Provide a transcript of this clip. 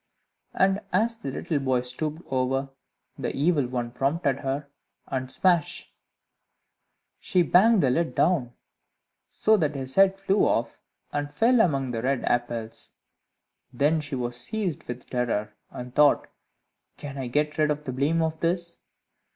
And as the little boy stooped over, the Evil One prompted her, and smash! she banged the lid down, so that his head flew off and fell among the red apples. Then she was seized with terror, and thought, "Can I get rid of the blame of this?"